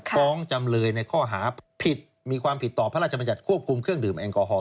จำเลยในข้อหาผิดมีความผิดต่อพระราชบัญญัติควบคุมเครื่องดื่มแอลกอฮอล